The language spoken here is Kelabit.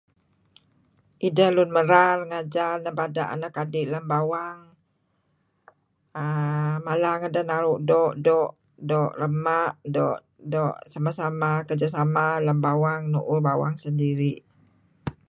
Ideh lun merar ngajar nebada' anak adi' lem bawang uhm mala ngedeh naru' doo'-doo' rema' doo' sama-sama lem bawang nuuh baang sendiri'.